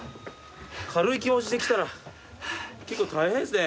軽い気持ちで来たら結構大変ですね。